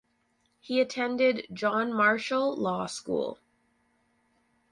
He attended John Marshall Law School.